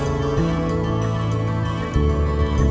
kau tahu cara mau turun